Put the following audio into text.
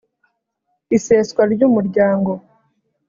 iseswa ry umuryango